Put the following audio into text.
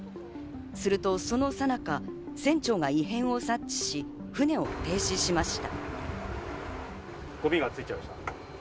するとそのさなか、船長が異変を察知し、船を停止しました。